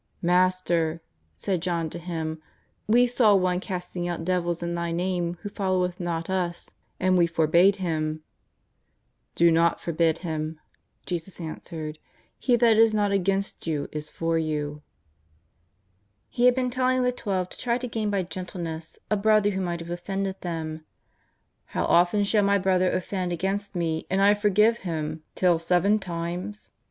Master,'' said John to Him, " we saw one casting out devils in Thy I^ame who followeth not us, and we forbade him." " Do not forbid him," Jesus answered ;" he that is not against you is for you." He had been telling the Twelve to try to gain by gentleness a brother who might have offended them. " How often shall my brother offend against me and I forgive him ? till seven times